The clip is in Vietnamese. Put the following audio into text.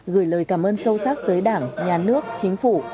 gửi lời cảm ơn sâu sắc tới đảng nhà nước chính phủ